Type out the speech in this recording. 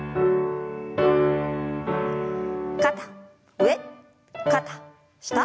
肩上肩下。